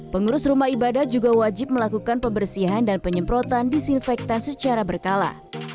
pengurus rumah ibadah juga wajib melakukan pembersihan dan penyemprotan disinfektan secara berkala